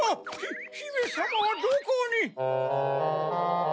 ひめさまはどこに？